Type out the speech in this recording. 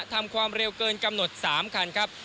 ทำความเร็วเกินกำหนด๓คันครับ